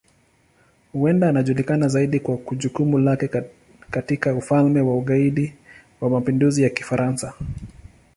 Huenda anajulikana zaidi kwa jukumu lake katika Ufalme wa Ugaidi wa Mapinduzi ya Kifaransa.